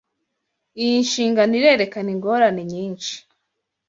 Iyi nshingano irerekana ingorane nyinshi.